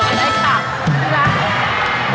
ใช่ไหม